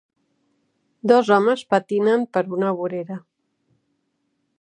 Dos homes patinen per una vorera.